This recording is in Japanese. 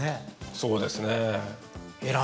そうですね。